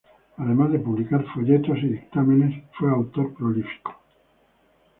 Además de publicar folletos y dictámenes fue autor prolífico.